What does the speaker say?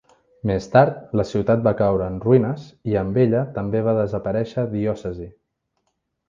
Més tard, la ciutat va caure en roïnes i amb ella també va desaparèixer diòcesi.